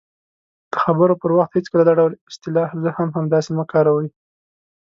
-د خبرو پر وخت هېڅکله دا ډول اصطلاح"زه هم همداسې" مه کاروئ :